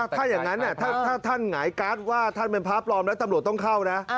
ถ้าอย่างนั้นถ้าท่านหงายการ์ดว่าท่านเป็นพระปลอมแล้วตำรวจต้องเข้านะ